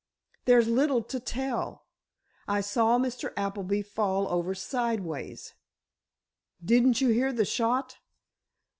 "There's little to tell. I saw Mr. Appleby fall over sideways——" "Didn't you hear the shot?"